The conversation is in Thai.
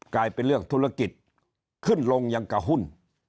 กลายเป็นเรื่องธุรกิจขึ้นลงอย่างกับหุ้น